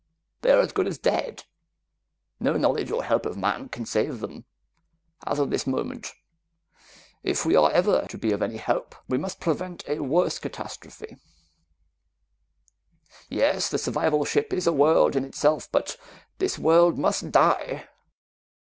They are as good as dead. No knowledge or help of man can save them as of this moment. If we are ever to be of any help, we must prevent a worse catastrophe. "Yes, the survival ship is a world in itself, but this world must die!"